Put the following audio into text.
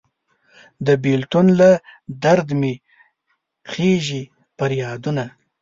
د بیلتون له درد مې خیژي پریادونه